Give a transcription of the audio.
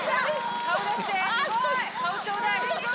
顔出して顔ちょうだい。